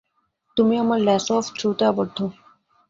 তুমি আমার lasso of ট্রুথে আবদ্ধ।